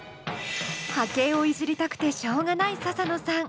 波形をいじりたくてしょうがないササノさん。